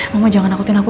mama jangan akutin aku